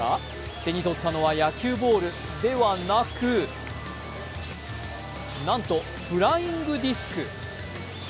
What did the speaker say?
手に取ったのは野球ボールではなく、なんとフライングディスク。